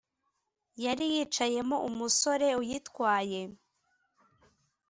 yariyicayemo umusore uyitwaye